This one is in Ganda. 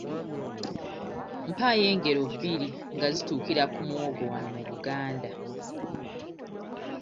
Mpaayo engero bbiri nga zituukira ku muwogo wano mu Buganda?